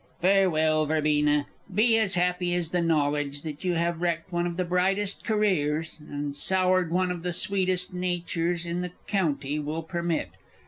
Farewell, Verbena! Be as happy as the knowledge that you have wrecked one of the brightest careers, and soured one of the sweetest natures in the county, will permit.